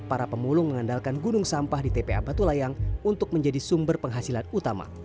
para pemulung mengandalkan gunung sampah di tpa batu layang untuk menjadi sumber penghasilan utama